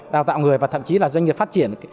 đào tạo người và thậm chí là doanh nghiệp phát triển